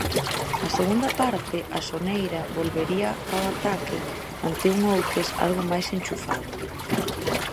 Na segunda parte o Soneira volvería ao ataque ante un Outes algo máis enchufado.